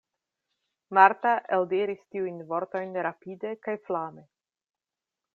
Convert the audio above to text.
Marta eldiris tiujn vortojn rapide kaj flame.